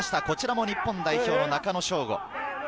こちらも日本代表の中野将伍。